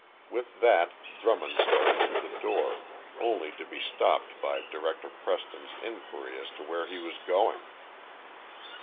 With that Drummond started to the door, only to be stopped by Director Preston's inquiry as to where he was going.